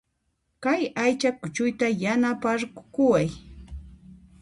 Kay aycha kuchuyta yanaparqukuway